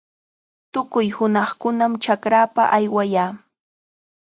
Tukuy hunaqkunam chakrapa aywayaa.